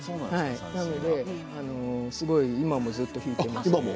なので今もずっと弾いています。